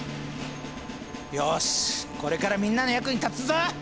よしこれからみんなの役に立つぞ！